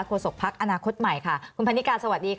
ศกพักอนาคตใหม่ค่ะคุณพันนิกาสวัสดีค่ะ